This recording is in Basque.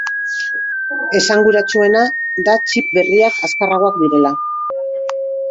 Esanguratsuena da txip berriak azkarragoak direla.